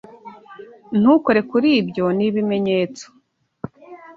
Ntukore kuri ibyo. Nibimenyetso.